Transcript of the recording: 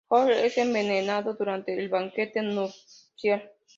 Joffrey es envenenado durante el banquete nupcial.